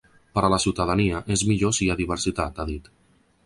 Per a la ciutadania és millor si hi ha diversitat, ha dit.